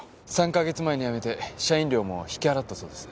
３か月前に辞めて社員寮も引き払ったそうです。